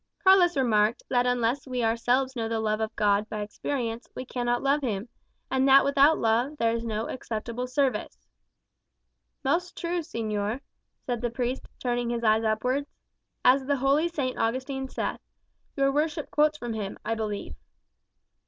Carlos remarked, that unless we ourselves know the love of God by experience we cannot love him, and that without love there is no acceptable service. "Most true, señor," said the priest, turning his eyes upwards. "As the holy St. Augustine saith. Your worship quotes from him, I believe."